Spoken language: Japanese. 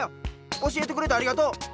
おしえてくれてありがとう！